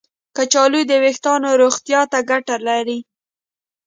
کچالو د ویښتانو روغتیا ته ګټه لري.